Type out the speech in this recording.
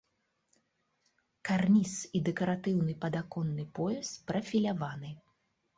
Карніз і дэкаратыўны падаконны пояс прафіляваны.